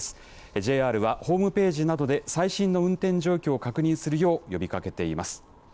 ＪＲはホームページなどで最新の運転状況を確認するよう呼びかけています。